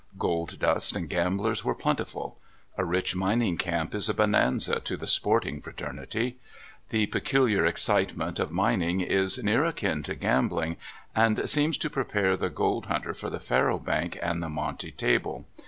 Gold dust and gamblers were plentiful. A rich mining camp is a bonanza to the sporting fraterni ty. The peculiar excitement of mining is near akin to gambling, and seems to prepare the gold hunter for the faro bank and monte table.